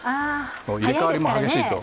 入れ代わりも激しいと。